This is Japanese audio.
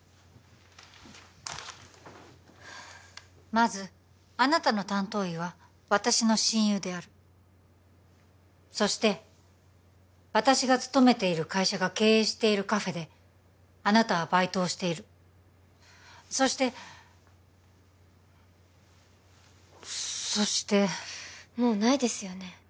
まずあなたの担当医は私の親友であるそして私が勤めている会社が経営しているカフェであなたはバイトをしているそしてそしてもうないですよね